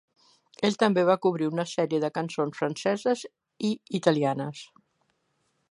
Ell també va cobrir una sèrie de cançons franceses i italianes.